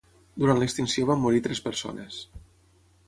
Durant l'extinció van morir tres persones.